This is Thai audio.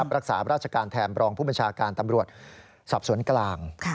รักษาราชการแทนรองผู้บัญชาการตำรวจสอบสวนกลาง